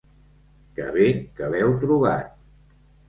Que bé que l'heu trobat.